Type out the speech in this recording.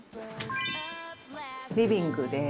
リビングです。